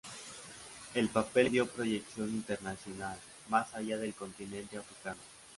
El papel le dio proyección internacional más allá del continente africano.